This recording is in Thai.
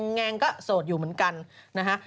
แงงก็โสดอยู่เหมือนกันนะฮะ